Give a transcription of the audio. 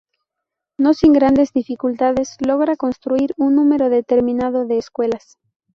No sin grandes dificultades logra construir un número determinado de escuelas.